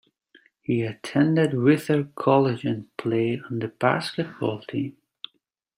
He attended Whittier College and played on the basketball team.